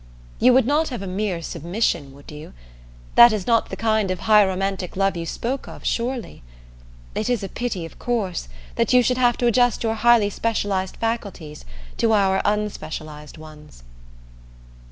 You would not have a mere submission, would you? That is not the kind of high romantic love you spoke of, surely? It is a pity, of course, that you should have to adjust your highly specialized faculties to our unspecialized ones."